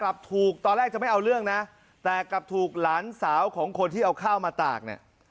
กลับถูกตอนแรกจะไม่เอาเรื่องนะแต่กลับถูกหลานสาวของคนที่เอาข้าวมาตากเนี่ย